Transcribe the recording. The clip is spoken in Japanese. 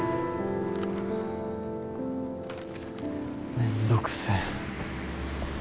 めんどくせえ。